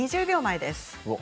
２０秒前です。